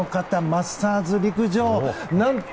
マスターズ陸上。